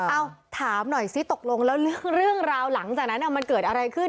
ถามหน่อยซิตกลงแล้วเรื่องราวหลังจากนั้นมันเกิดอะไรขึ้น